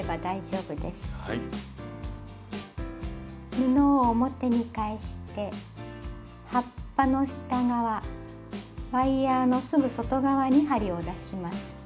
布を表に返して葉っぱの下側ワイヤーのすぐ外側に針を出します。